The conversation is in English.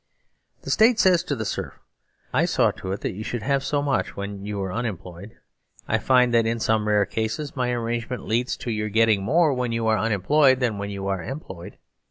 The State says to the Serf: "I saw to it that you should have so much when you were unemployed. I find that in some rare cases my arrangement leads to your getting more when you are unemployed than when you are employed.